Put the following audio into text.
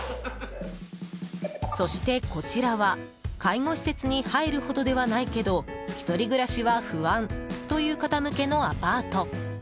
そして、こちらは介護施設に入るほどではないけど１人暮らしは不安という方向けのアパート。